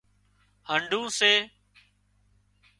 هنڍُون سي